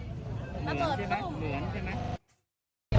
ระเบิดต้ม